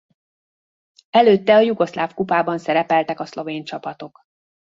Előtte a jugoszláv kupában szerepeltek a szlovén csapatok.